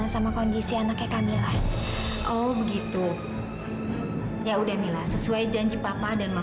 sampai jumpa di video selanjutnya